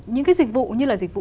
những cái dịch vụ như là dịch vụ